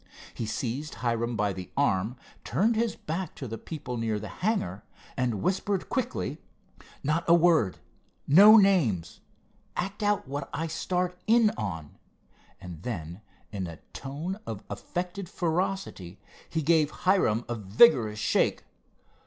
He seized Hiram by the arm, turned his back to the people near the hangar, and whispered quickly: "Not a word! No names! Act out what I start in on." And then in a tone of affected ferocity he gave Hiram a vigorous shake.